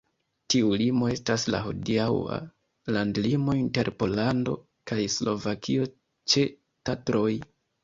Tiu limo estas la hodiaŭa landlimo inter Pollando kaj Slovakio ĉe Tatroj.